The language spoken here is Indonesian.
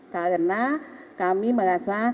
karena kami merasa